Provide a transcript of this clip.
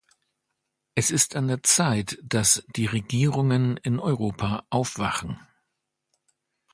Es ist an der Zeit, dass die Regierungen in Europa aufwachen.